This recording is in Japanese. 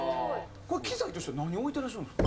これは機材としては何を置いてらっしゃるんですか？